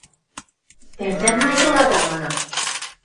– Тӓмдӓн ма дела? – манам.